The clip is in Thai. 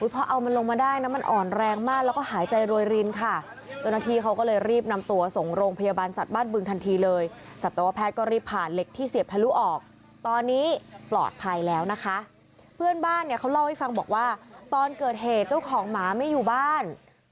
เพื่อนบ้านเขาเล่าให้ฟังบอกว่าตอนเกิดเหตุเจ้าของหมาไม่อยู่บ้าน